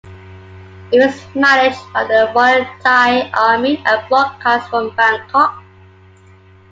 It was managed by the Royal Thai Army and broadcasts from Bangkok.